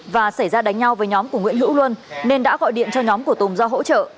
và xảy ra đánh nhau với nhóm của nguyễn hữu luân nên đã gọi điện cho nhóm của tùng ra hỗ trợ